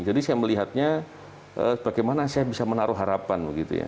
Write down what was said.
jadi saya melihatnya bagaimana saya bisa menaruh harapan